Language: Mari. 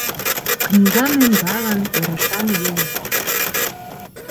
Книгам ӧндалын, ӧрышан еҥ-влак.